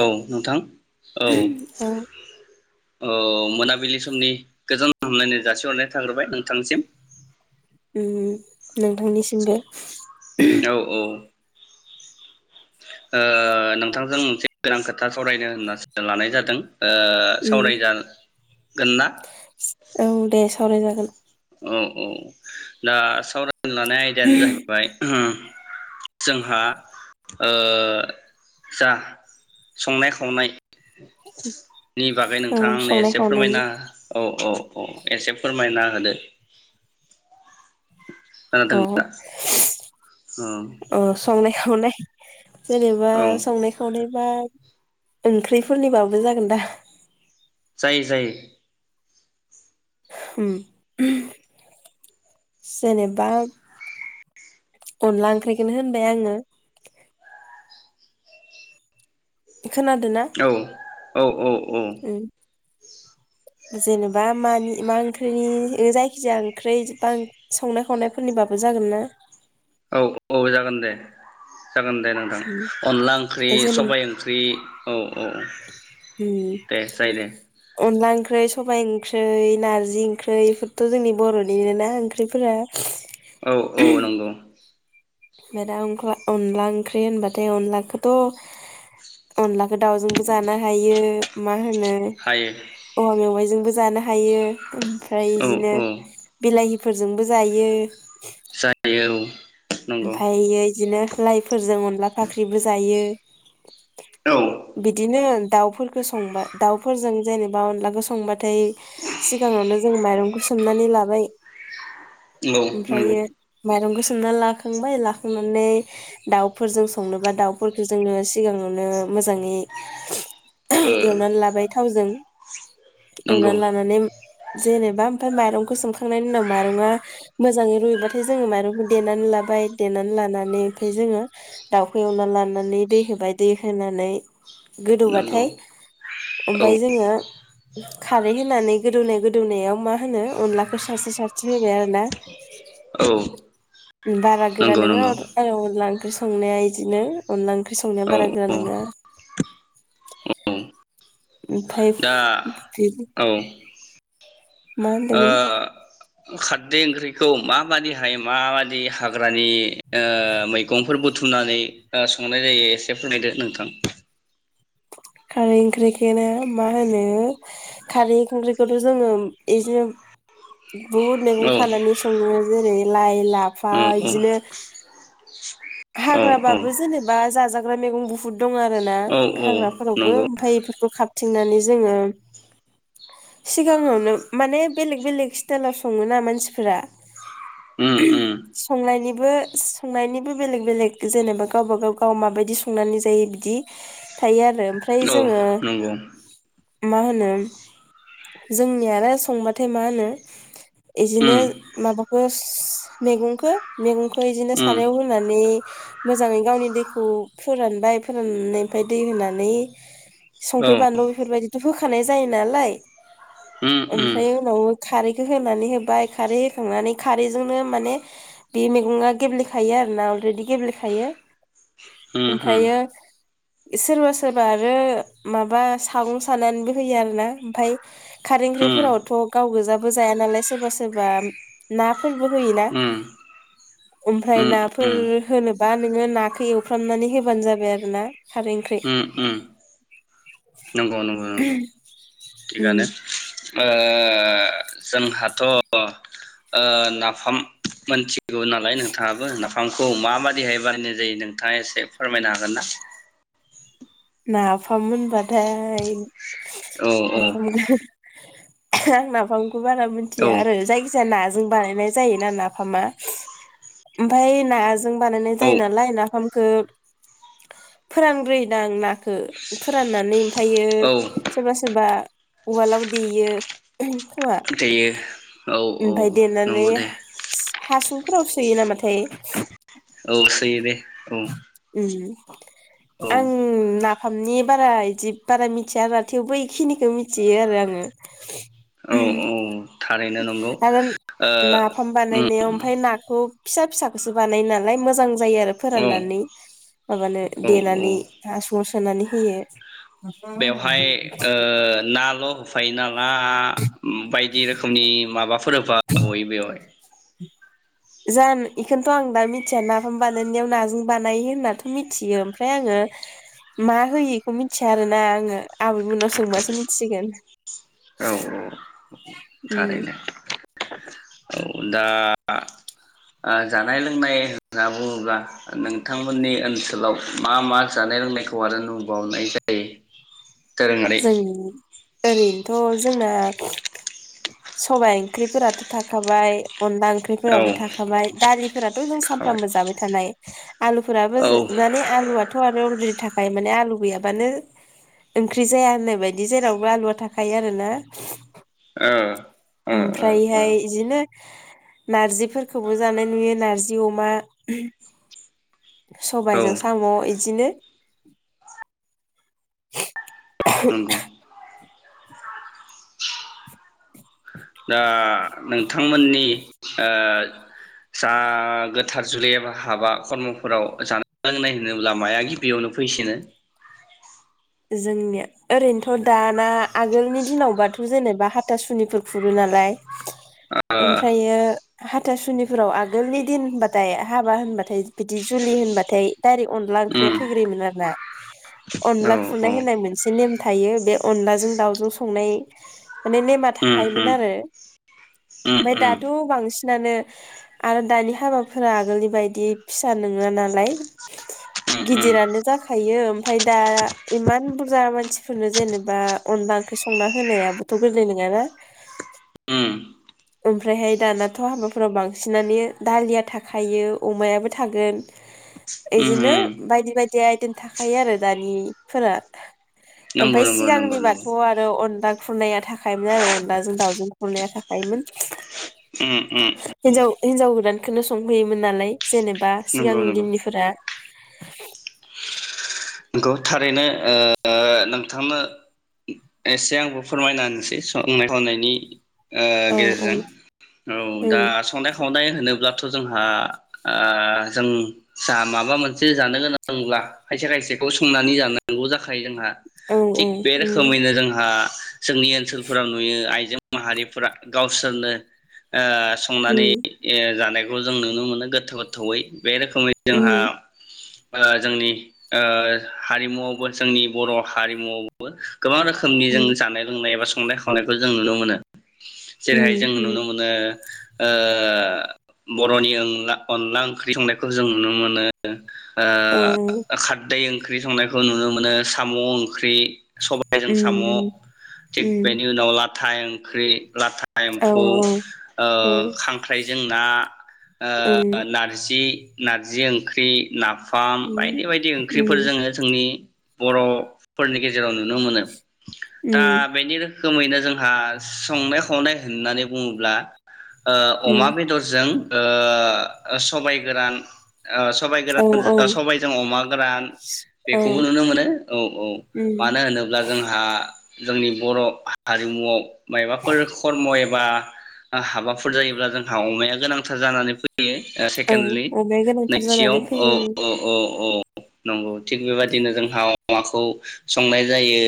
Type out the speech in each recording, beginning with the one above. औ नोंथां औ। उम औ मोनाबिलि समनि गोजान हामलायनाय जासिहरनाय थाग्रोबाय नोंथांसिम। उम नोंथांनिसिमबो। औ औ। ओ नोंथांजों मोनसे गोनां खोथा सावरायनो होननासो लानाय जादों। ओ उम सावराय जा औ दे सावरायजागोन। औ औ दा सावराय लानाय आयदायानो जाहैबाय जोंहा ओ जा संनाय खावनाय। नि बागै औ नोंथाङा आंनो संनाय एसे खावनायनि फोरमायना औ औ। अ एसे फोरमायना होदो। [inaudible] खोनादों औ । औ। संनाय खावनाय जेनेबा औ संनाय खावनाय बा ओंख्रिफोरनिबाबो जागोन दा? जायो जायो। उम जेनेबा अनला ओंख्रिखोनो होनबाय आङो। खोनादो ना? औ औ औ। औ। जेनेबा मानि मा ओंख्रिनि जायखिजाया ओंख्रि बा संनाय खावनायफोरनिबाबो जागोन ना? औ औ जागोन दे। जागोन दे नोंथां उम अनला ओंख्रि जेनेबा सबाय ओंख्रि औ। औ उम दे जायो दे। अनला ओंख्रै सबाय ओंख्रै नारजि ओंख्रै बेफोरथ' जोंनि बर'निनो ना ओंख्रिफोरा। औ औ नंगौ। ना दा अनख्ला अनला ओंख्रि होनबाथाय अनलाखौथ' अनला दावजोंबो जानो हायो। मा होनो हायो औवा मेवाइजों बो जानो हायो। ओमफ्राय औ बिदिनो बिलाहि। फोरजोंबो जायो। जायो औ। नंगौ ओमफ्रायो बिदिनो लाइफोरजों अनला फाख्रिबो जायो औ बिदिनो दाउफोरखौ संबा दाउफोरजों जेनेबा अनलाखौ संबा थाय सिगाङावनो जों माइरंखौ सोमनानै लाबाय नंगौ नंगौ ओमफ्रायो माइरंखौ सोम हमना ला खांबाय लाखांनानै दाउफोरजों संनोबा दाउफोरखौ जोङो सिगाङावनो मोजाङै ओ एवनानै लाबाय थावजों एवनानै नंगौ लानानै जेनेबा आमफ्राय माइरंखौ सोमखा खांनायनि उनाव माइरङा मोजाङै रुयबाथाय जोङो माइरंखौ देनानै लाब बाय देनानै लानानै ओमफ्राय जोङो दाउखौ एवना लानानै दै होबाय दै होनानै नंगौ गोदौबाथाय औ ओमफाय जोङो खारै होनानै गोदौनाय गोदौनायाव मा होनो अनलाखौ सारस्रि सारस्रि होबाय आरोना बारा गोरा नंगौ नोङा नंगौ आं अनला ओंख्रि संनाया इदिनो अनला ओंख्रि सं संनाया औ बारा गोरा औ नङा। औ दा [unintelligible] औ मा ओ होनदोमोन। खारदै ओंख्रिखौ माबादिहाय माबादि हाग्रानि मैगंफोर बुथुमनानै संनाय जायो एसे फोरमायदो नोंथां। खारै ओंख्रिखौ ना मा होनो खारै ओंख्रिखौथ' जोङो बिदिनो बुहुद मैगं औ खानानै सङो जेरै लाइ लाफा औ बिदिनो औ हाग्राबाबो जेनेबा जाजाग [unintelligible] दं आरोना। औ औ हाग्राफोरावबो नंगौ ओमफ्राय बेफोरखौ खाबथिं जोङो सिगाङावनो मान बेले बेलेक स्टल आाव सोा मानसिफोरा। उम उम संनायनि बो संनायनिबो बेलेग बेलेग जेनेबा गावबा गाव गाव माबायदि संनानै जायो बिदि थायो आ आरो ओमफ्राय औ जोङो नंगौ मा होनो जोंनिया आरो संबाथाय मा होनो बिदिनो उम माबाफोर मैगंखौ मैगं बिदिनो उम सारायाव होनानै मोजाङै गावनि दैखौ फोरानबाय फोराननायनि फ्राय दै होनानै औ संख्रि बानलु बेफोरबाय होखानाय जायो नालाय उम उम ओमफ्राय उनाव खारैखौ होनानै होबाय खारै होखांनानै खारैजोंनो माने बे मैगङा गेब्लेखायो आरोना अलरेडि गेब्लेखायो। उम उम ओमफायो सोरबा सोरबा आरो माबा सागं सानानैबो होयो आर ना ओमफ्राय खारै ओख्रिफोरावथ' गाव गोजाबो जाया नालाय सोरबा सोरबा नाफोरबो होयोना उम उम ओमफ्राय नाफोर होनोबा नोङो नाखौ एवफ्रामनानै होबानो जाबाय आरो ना। ओम ओम नंगौ नंगौ नंगौ उम थिगानो ओ आ जोंहाथ' ओ नाफाम मोनथि गौ नालाय नोंथाङाबो आंखौ माबादिहाय बानायनाय जायो नोंथाङा एसे फोरमायनो हागोन ना? नाफाम होनबाथाय औ [unintelligible] नाफाम बारा मिन्थिया औ आरो जायखिजाया ना जों बानायनाय जायोना नाफामा ओमफाय बानायनाय औ जायो नालाय ना फोरानग्रोयोदां ना खो फोराननानै ओमफ्रायो औ सोरबा सोरबा उवालाव देयो। खोमा जायो। ओमफाय देनानै हासुं फोराव सोयो नामाथाय औ सैयो दे औ। उम। औ आं ना फामनि बारा जिब बारा मिथिया आरा थेवबो इखिनिखौ मिथियो आरो आङो। औ औ थारैनो नंगौ। आरो नाफाम बानायनायाव ओमफाय नाखौ फिसा फिसाखौसो बानाय नालाय मोजां जायो आरो औ फोराननानै माबानो औ औ देनानै हास' खनानै होयो। बेवहाय ओ नाल' फाइनाल मा बायदि रोखोमनि माबाफोर होफा बयो बेवहाय? जानो बेखौनोथ' आं दा मिथिया नाफाम बानायनायाव नाजों बानायो होननाथ' मिथियो ओमफ्राय आङो मा होयो बेखौ मिथिया आरोना आङो आबैमोननाव सोंबासो मिथिगोन। औ औ उम थारैनो। औ दा जानाय लोंनाय होनना बुङोब्ला नोंथांमोननि ओनसोलाव मा मा जानाय लोंनायखौ आरो नुबावनाय जायो। दोरोङारि जों ओरैनोथ' जोंना सबायाइ ओंख्रिफोराथ' थाखाबाय अनला औ ओंख्रिफोराबो थाखाबाय दालिफोराथ' जों औ सानफ्रामबो जाबाय थानाय आलुफोराबो ओ माने आलुआथ' आरो अलरिदि थाखाय ओमफ्राय माने आलु गैयाबानो ओंख्रि जाया होननाय बायदि जेरावबो आलुआ थाखायो आरोना। ओ ओ ओ ओमफ्रायहाय बिदिनो नार्जिफोरखौबो जानाय नुयो नार्जि अमा औ सबायजों साम' बिदिनो [unintelligible] नंगौ दा नोंथांमोननि ओ जा गोथार जुलि एबा हाबा खर्मफोराव जानाय लोंनाय होनोब्ला माया गिबियावनो फैसिनो जोंनिया ओरैनोथ दाना आगोलनि दिनावबाथ जेनेबा हाथासुनिफोर खुरो नालाय ओ ओमफ्रायो हाथासुनिफोराव आगोलनि दिन होनबाथाय हाबा होनबाथाय बिदि जुलि होनबाथाय दायरेक्ट अनदला ओंख्रिया उम फैग्रयोमोन आरो ना औ अनला फुरनाय होननाय मोनसे नेम थायो बे अनलाजों दाावजों संनाय माने नेमा उम थाखायोमोन उम आरो उम ओमफ्राय दाथ' उम बांसिन बिनानो आरो दानि हाबाफोरा आगोलनि बायदि फिसा नङा नालाय उम गिदिरानो जाखायो ओमफ्राय दा इमान बुरजा मानसिफोरनो जेनेबा अनला ओंख्रि संना होनायाबोथ गोरलै नङाना उम ओमफ्रायहाय दानाथ हाबाफोराव बांसिनानो दालिया थाखायो अमायाबो थागोन उम बिदिनो उम बायदि बायदि आइटेम थाखायो आरो दानि फोरा नंगौ ओमफ्राय नंगौ नंगौ नंगौ सिगांनिबाथ आरो अनला खुरनाया थाखायोमोन आरो अनलाजों दाावजों खुरनाया थाखायोमोन उम उम हिनजाव हिनजाव गोदानखौनो संफैयोमोन नालाय जेनेबा नंगौ सिगांनि नंगौ दिननिफोरा खौ थारैनो नोंथांनो एसे आंबो फोरमायना होनसै संनाय खावनायनि ओ औ औ गेजेरजों औ दा उम संनाय खावनाय होनोब्ला थ जोंहा ओ जों जा माबा मोनसे जानो गोनांब्ला खायसे खायसे बेखौ संनानै जानांगौ जाखायो जोंहा औ थिग उम बे उम रोखोमैनो जोंहा जोंनि ओनसोलफोराव नुयो आइजें माहारिफोरा गावसोरनो ओ संनानै उम ओ जानाय बेखौ जों नुनो मोनो गोथाव गोथावै बे रोखोमै जोंहा ओ जोंनि ओ हारिमुावबो जोंनि बर हारिमुआवबो गोबां रोखोमनि जों उम जानाय लोंनाय एबा सं संनाय खावनायखौ जों नुनो मोनो। जेरैहाय जों उम उम नुनो मोनो ओ बर 'नि ओला अनला ओंख्रि संनायखौ जों नुनो मोनो। ओ औ खारदै ओंख्रि संनायखौ नुनो मोनो साम' ओंख्रि सबबायजों साम थिग बेनि उनाव लाथ हाथाइ ओंख्रि लाथा एम्फौ ओ खांख्राइजों ना ओ नारजि नारजि ओंख्रि नाफाम बायदि बायदि ओंख्रि बेफोर जोङो जोंनि बर'फोरनि गेजेराव नुनो मोनो दा बेनि रोख रोखोमैनो जोंहा संनाय खावनाय होननानै बुङोब्ला ओ अमा बेदरजों ओ सबाय गोरान ओ सबाइ गोरान सबायजों अमा गोरान- बेखौबो नुनो मोनो औ औ मानो होनोब्ला जोंहा- जोंनि बर' हारिमुआव मायबाफोर खर्म' एब बा हाबाफोर जायोब्ला जोंहा अमाया गोनांथार जानानै फै यो ओ सेकेंडलि अमाया गोनांथार नैथियाव जानानै औ फैयो औ औ औ। [inaudible] नंगौ थिग बेबायदिनो जोंहा अमाखौ संनाय जायो।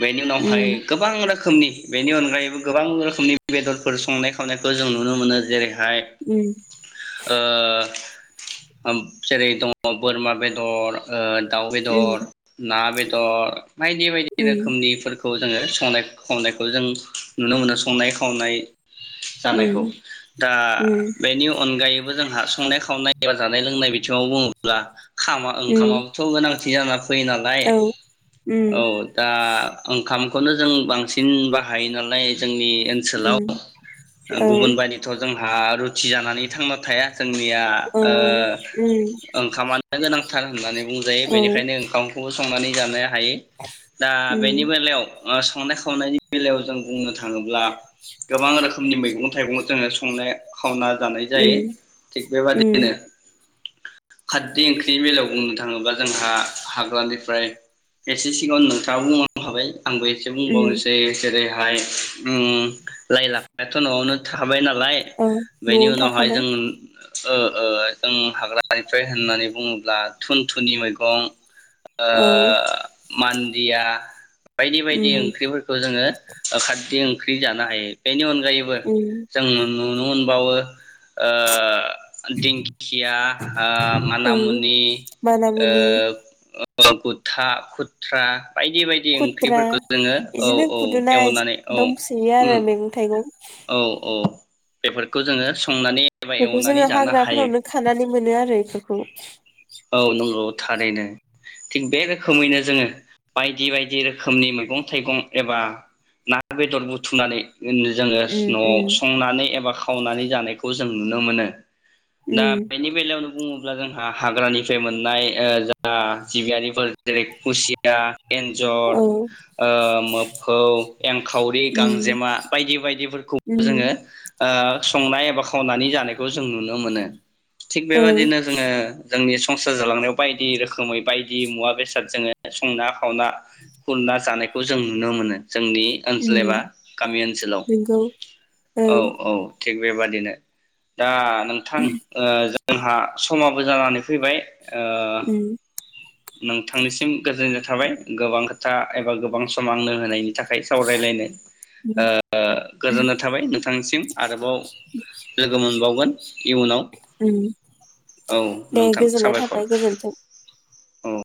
बेनि उनावहाय उम गोबां रोख खोमनि बेनि अनगायैबो गोबां रोखोमनि बेदरफोर संनाय खावनायखौ जों नुनो मोनो जेरै हाय उम ओ जेरै दङ बोरमा बेदर ओ दाउ उम बेदर, ना बेद दर बायदि बायदि उम रोखोमनिफोरखौ जोङो संनाय खावनायखौ जों नुनो मोनो संनाय खावनाय जानायखौ उम दा उम बेनि अनगायैबो जोंहा संनाय खावनाय एबा जानाय लोंनाय बिथिङाव बुङोब्ला खाम उम खामाबोथ' गोनां थि जाना फैयो नालाय औ औ उम दा ओंखाम खौनो जों बांसिन बाहायो नालाय जोंनि ओनसोलाव उम औ गुबुन बायदिथ' जों हा रुथि जानानै थांना थाया। जोंनिया औ ओ उम ओंखामानो गोनां थार होननानै बुंजायो औ बेनिखायनो ओंखामखौस संनानै जानाया थायो दा बेनि उम बेलायाव ओ संनाय खावनायनि बेलायाव जों बुंनो थाङोब्ला गोबां रोखोमनि मैगं थाइगं जोङो संनाय खावना जानाय उम जायो थिग बेबादिनो खारदि ओंख्रिनि बेलायाव बुंनो थाङोबा जोंहा हाग्रानिफ्राय एसे सिगांआवनो नोंथाङा बुंलां खाबाय। आंबो एसे उम बुंबावनोसै जेरै हाय उम लाइ, लाफायाथ' न'आवनो थाखाबाय ना लाय औ न'आवनो बेनि उनावहाय थाखाबाय जों ओ ओ जों हाग्रानिफ्राय होननानै बुङोब्ला थुन थुनि मैगं ओ औ मान्दिया बायदि बायदि उम ओंख्रिफोरखौ जोङो ओ खारदि ओंख्रि जानो हायो बेनि अन गायैबो उम जों मोन नुनो मोनबावो ओ दिंखिया ओ औ मानामुनि मानामुनि ओ गुथा खुथ्रा बायदि बायदि खुद्रा ओंख्रिफोरखौ जोङो औ इदिनो औ खुदुना एवनानै औ दंसोयो उम आरो मैगं थाइगं। औ औ बेफोरखौ जोङो सं बेखौ जोङो हाग्राफोरावनो खानानै मोनो आरो बेखौ। औ नंगौ थारैनो। थिग बे रोखोमैनो जोङो बायदि बायदि रोखोमनि मैगं थाइगं एबा ना बेदर बुथुमनानै जोङो उम न'आव उम संनानै एबा खावनानै जानायखौ जों नुनो मोनो। दा उम बेनि बेलायाव बुङोब्ला जोंहा हाग्रानिफ्राय मोननाय ओ जा जिबियारिफोर जेरै खुसिया एन्जर औ ओ मोफौ, एंखावरि, उम गांजेमा बायदि बायदिफोरखौबो जोङो उम ओ संनाय एबा खावनानै जानायखौ जों नुनो मोनो। थिग ओं बेबादिनो जोङो जोंनि संसार जालांनायाव बायदि रोखोमै बायदि मुवा बेसाद जोङो संना खावना खुरना जानायखौ जों नुनो मोनो। जोंनि ओनसोल एबा उम गामि ओनसोलाव नंगौ औ ओं औ थिग बेबादिनो दा नोंथां ओ जो जोंहा समाबो जानानै फैबाय ओ उम नोंथांनिसिम गोजोननाय जासि थाबबाय गोबां खोथा एबा गोबां सम आंनो होनायनि थाखाय सावरायलायनो। ओ उम गोजोननाय थाबाय नोंथांसिम आरोबाव लोगो मोनबावगोन इयुनाव उम औ। दे नोंथां गोजोननाय साबायखर थाबाय गोजोन्थों। औ